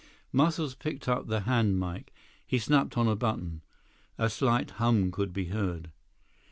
Muscles picked up the hand mike. He snapped on a button. A slight hum could be heard.